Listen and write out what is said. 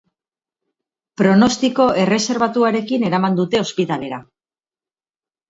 Pronostiko erreserbatuarekin eraman dute ospitalera.